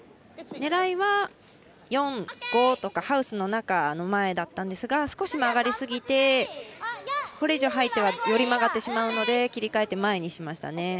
狙いは、４や５とかハウスの中の前だったんですが少し曲がりすぎてこれ以上、はいてはより曲がってしまうので切り替えて前にしましたね。